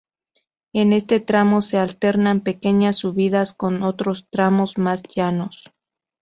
En este tramo se alternan pequeñas subidas con otros tramos más llanos.